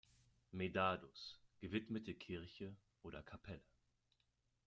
Medardus gewidmete Kirche oder Kapelle.